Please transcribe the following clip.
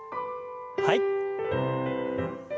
はい。